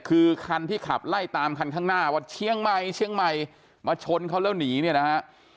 คือคันที่ขับไล่ตามคันข้างหน้าว่าเชียงใหม่เชียงใหม่มาชนเขาแล้วหนีเนี่ยนะฮะ